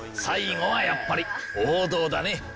最後はやっぱり王道だね。